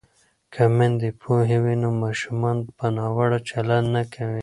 که میندې پوهې وي نو ماشومان به ناوړه چلند نه کوي.